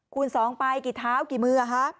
สองไปกี่เท้ากี่มือ